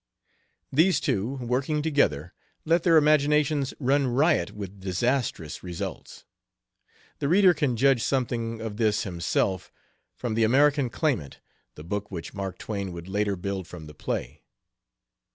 These two, working together, let their imaginations run riot with disastrous results. The reader can judge something of this himself, from The American Claimant the book which Mark Twain would later build from the play.